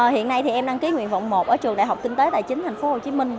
hiện nay em đăng ký nguyện vọng một ở trường đại học kinh tế tài chính tp hcm